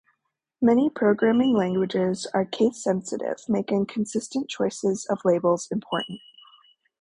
Many programming languages are case-sensitive, making a consistent choice of labels important.